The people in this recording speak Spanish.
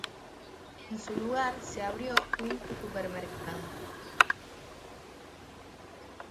En su lugar se abrió un supermercado.